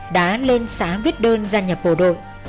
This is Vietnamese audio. đã lên xã viết đơn gia nhập bộ đội